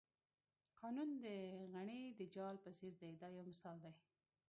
قانون د غڼې د جال په څېر دی دا یو مثال دی.